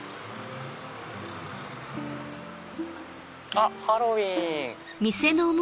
あっハロウィーン！